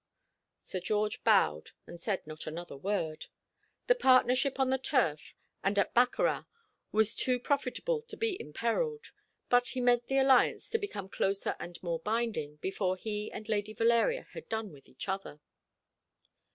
Sir George bowed, and said not another word. The partnership on the turf and at baccarat was too profitable to be imperilled. But he meant the alliance to become closer and more binding, before he and Lady Valeria had done with each other.